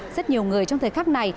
rất nhiều người trong thời khắc này